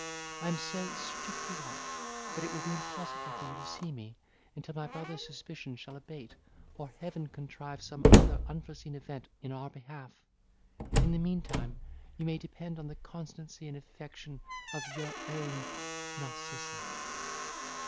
I am so strictly watched that it will be impossible for you to see me, until my brother's suspicion shall abate, or Heaven contrive some other unforeseen event in our behalf. In the meantime, you may depend on the constancy and affection of "Your own "Narcissa.